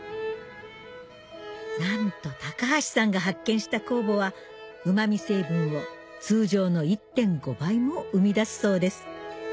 なんと橋さんが発見した酵母はうま味成分を通常の１．５倍も生み出すそうです